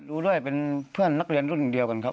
ดูด้วยเป็นเพื่อนนักเรียนรุ่นเดียวกันครับ